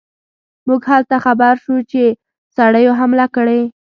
موږ هلته خبر شو چې سړیو حمله کړې.